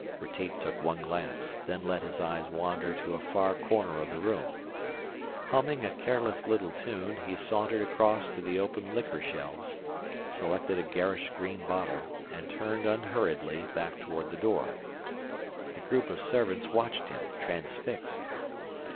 Retief took one glance, then let his eyes wander to a far corner of the room. Humming a careless little tune, he sauntered across to the open liquor shelves, selected a garish green bottle and turned unhurriedly back toward the door. The group of servants watched him, transfixed.